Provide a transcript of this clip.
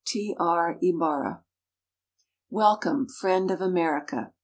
T. R. Ybarra WELCOME! FRIEND OF AMERICA!